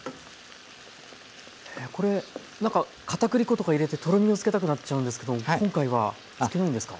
これなんかかたくり粉とか入れてとろみをつけたくなっちゃうんですけど今回はつけないんですか？